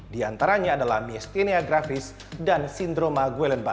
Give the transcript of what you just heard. diantaranya adalah myasthenia gravis dan sindroma guellenbar